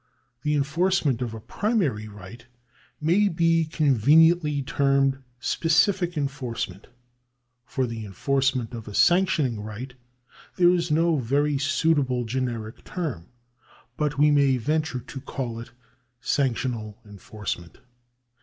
The enforcement of a primary right may be conveniently termed specific enforcement. For the enforcement of a sanctioning right there is no very suitable generic term, but we may venture to call it sanctional enforcement.